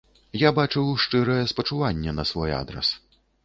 Я бачыў шчырае спачуванне на свой адрас.